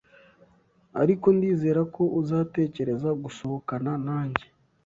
Ariko ndizera ko uzatekereza gusohokana nanjye.